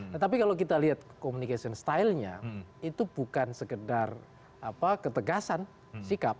tetapi kalau kita lihat communication stylenya itu bukan sekedar ketegasan sikap